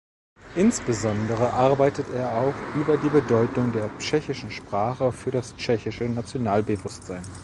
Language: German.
Insbesondere arbeitet er auch über die Bedeutung der tschechischen Sprache für das tschechische Nationalbewusstsein.